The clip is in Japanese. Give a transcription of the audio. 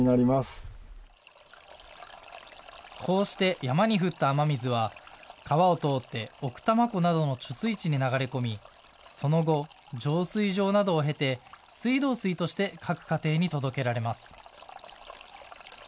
こうして山に降った雨水は川を通って奥多摩湖などの貯水池に流れ込み、その後、浄水場などを経て水道水として各家庭に届けられます。